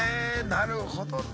なるほどな。